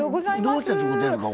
どうして作ってるんですか？